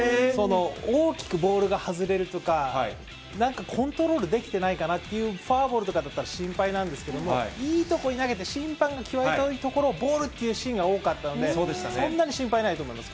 大きくボールが外れるとか、なんかコントロールできてないかなっていうフォアボールだったら、心配なんですけども、いい所に投げて、審判が際どいところをボールっていうシーンが多かったんで、そんなに心配ないと思います。